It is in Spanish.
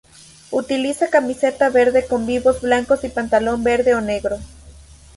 Utiliza camiseta verde con vivos blancos y pantalón verde o negro.